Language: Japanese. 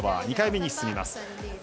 ２回目の進みます。